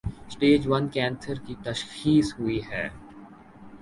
Stage one cancer کی تشخیص ہوئی ہے۔